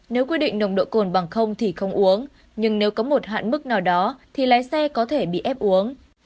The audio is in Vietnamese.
nếu quy định nồng độ cồn bằng không thì không uống nhưng nếu có một hạn mức nào đó thì lái xe có thể bị ép uống